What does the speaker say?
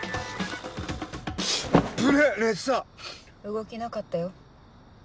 動きなかったよ。